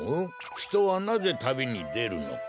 ひとはなぜたびにでるのか。